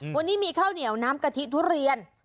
วันนี้มีข้าวเหนียวน้ำกะทิทุเรียน